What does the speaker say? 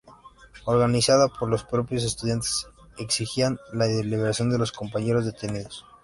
Organizadas por los propios estudiantes, exigían la liberación de los compañeros detenidos.